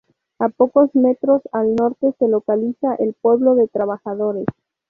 A pocos metros al norte se localiza el pueblo de trabajadores.